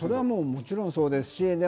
もちろんそうです。